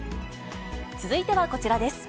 続いてはこちらです。